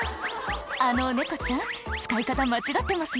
あの猫ちゃん使い方間違ってますよ